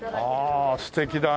ああ素敵だね。